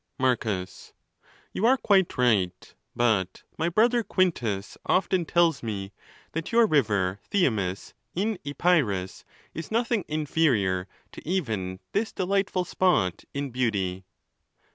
Marcus.—You are quite right; but my brother Quintus often tells me that your river Thyamis in Epirus is nothing inferior to even this delightful spot in beauty.